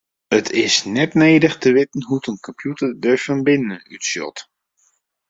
It is net nedich te witten hoe't in kompjûter der fan binnen útsjocht.